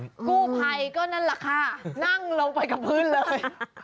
กู้ภัยก็นั่นแหละค่ะนั่งลงไปกับพื้นเลย